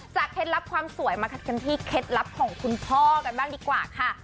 เคล็ดลับความสวยมาคัดกันที่เคล็ดลับของคุณพ่อกันบ้างดีกว่าค่ะ